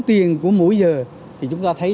tiền của mỗi giờ thì chúng ta thấy